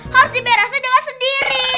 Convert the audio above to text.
harus diberasnya dia sendiri